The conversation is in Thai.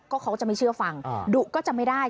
เขาก็จะไม่เชื่อฟังดุก็จะไม่ได้